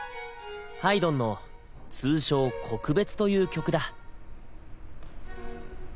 ハイドンの通称「告別」という曲だ。